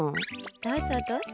どうぞ、どうぞ。